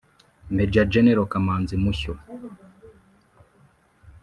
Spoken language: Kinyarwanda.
Maj Gen Kamanzi Mushyo